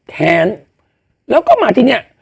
แค้นแล้วก็มาที่เนี่ย